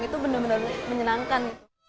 itu benar benar menyenangkan